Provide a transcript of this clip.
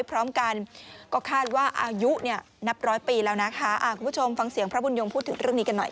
ตอนแรกคือเป็นรูปร่างแบบเหมือนจ้องปลูกธรรมดาอย่างนี้แหละ